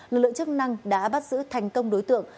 lực lượng chức năng đã bắt giữ thành công đối tượng